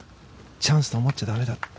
チャンスと思っちゃ駄目だ。